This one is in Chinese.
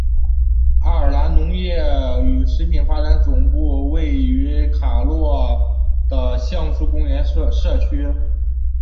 爱尔兰农业与食品发展部的总部位于卡洛的橡树公园社区。